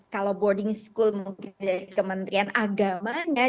kalau boarding school mungkin dari kementrian agama